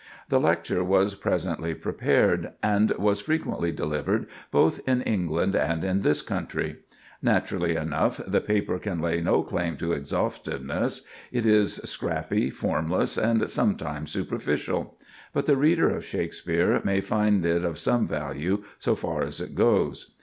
The lecture was presently prepared, and was frequently delivered, both in England and in this country. Naturally enough, the paper can lay no claim to exhaustiveness; it is scrappy, formless, and sometimes superficial. But the reader of Shakspere may find it of some value, so far as it goes.